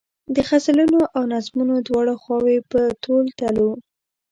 د غزلونو او نظمونو دواړه خواوې په تول تلو.